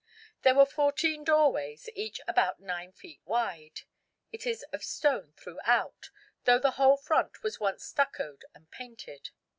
There were fourteen doorways, each about 9 feet wide. It is of stone throughout, though the whole front was once stuccoed and painted.